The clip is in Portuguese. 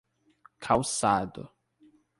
Calçado